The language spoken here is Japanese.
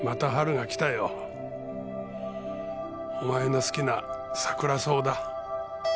お前の好きなサクラソウだ。